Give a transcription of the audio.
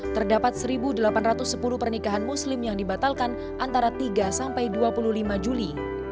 terdapat satu delapan ratus sepuluh pernikahan muslim yang dibatalkan antara tiga sampai dua puluh lima juli